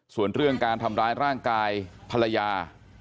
ส่วนเรื่องการทำร้ายร่างกายภรรยา